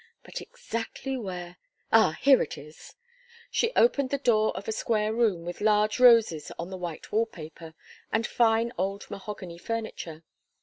But exactly where ah, here it is." She opened the door of a square room with large roses on the white wall paper, and fine old mahogany furniture.